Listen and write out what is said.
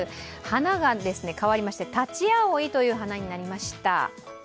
花がかわりましてたちあおいという花になりました。